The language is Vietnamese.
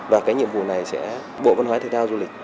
và cái nhiệm vụ này sẽ bộ văn hóa thể thao du lịch